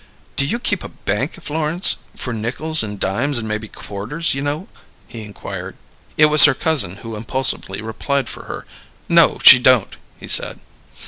"Do you keep a bank, Florence for nickels and dimes and maybe quarters, you know?" he inquired. It was her cousin who impulsively replied for her. "No, she don't," he said.